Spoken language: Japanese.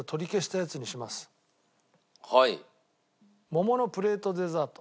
桃のプレートデザート。